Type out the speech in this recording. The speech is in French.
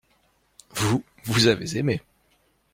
Vous, vous avez aimé.